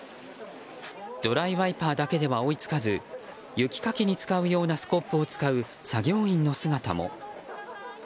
ドライワイパーだけでは追いつかず雪かきに使うようなスコップを使う作業員の姿も。